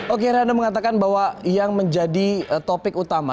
oke rihanna mengatakan bahwa yang menjadi topik utama